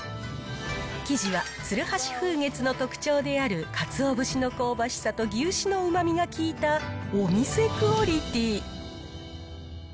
生地は鶴橋風月の特徴である、かつお節の香ばしさと牛脂のうまみが効いたお店クオリティー。